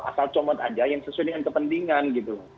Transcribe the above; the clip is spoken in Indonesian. asal comot aja yang sesuai dengan kepentingan gitu